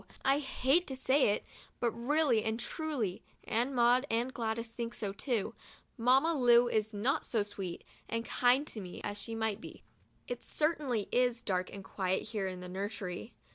I hate to say it, but really and truly (and Maud and Gladys think so, too), Mamma Lu is not so sweet and kind to me as she might be. It certainly is dark and quiet here in the nursery.